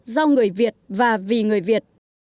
do người việt và vì người việt